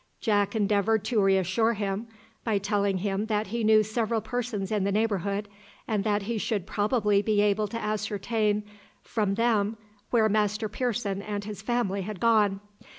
Jack endeavoured to re assure him, by telling him that he knew several persons in the neighbourhood, and that he should probably be able to ascertain from them where Master Pearson and his family had gone.